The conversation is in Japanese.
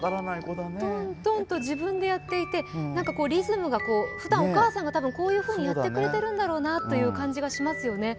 とんとんと自分でやっていて、リズムが、たぶん普通お母さんが多分こういうふうにやってくれてるんだろうなという感じがしますよね。